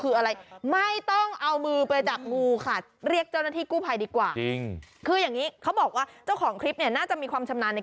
เอาไว้หนีบงูให้นิติบุคคลเหรอเออคุณซื้อไว้